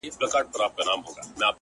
زما په څېره كي، ښكلا خوره سي،